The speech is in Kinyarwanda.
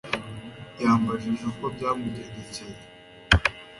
Yambajije uko byamugendekeye